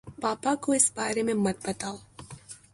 پاپا کو اِس بارے میں مت بتاؤ